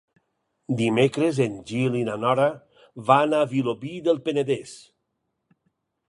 Dimecres en Gil i na Nora van a Vilobí del Penedès.